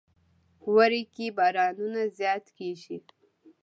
وری کې بارانونه زیات کیږي.